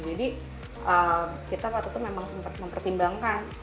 jadi kita waktu itu memang sempat mengpertimbangkan